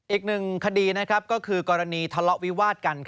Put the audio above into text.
อีกหนึ่งคดีก็คือกรณีทะเลาะวิวาดกัน